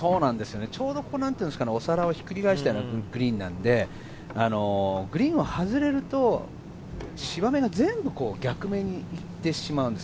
ちょうどお皿をひっくり返したようなグリーンなんで、グリーンを外れると、芝目が全部逆目に行ってしまうんです。